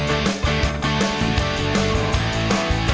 อืม